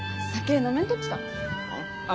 あ？